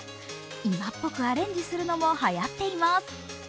今っぽくアレンジするのもはやっています。